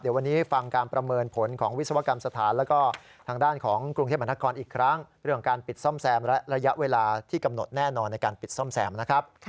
เดี๋ยววันนี้ฟังการประเมินผลของวิศวกรรมสถานแล้วก็ทางด้านของกรุงเทพมหานครอีกครั้งเรื่องการปิดซ่อมแซมและระยะเวลาที่กำหนดแน่นอนในการปิดซ่อมแซมนะครับ